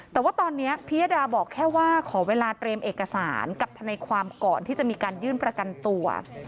แต่ว่าตอนนี้พิยดาบอกแค่ว่าขอเวลาเตรียมเอกสารกับทนายความก่อนที่จะมีการยื่นประกันตัว